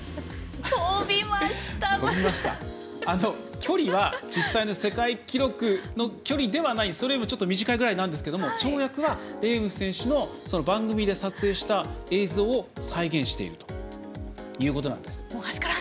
距離は実際の世界記録の距離ではなくそれよりもちょっと短いくらいなんですが跳躍はレーム選手の番組で撮影した映像を再現しているということなんです。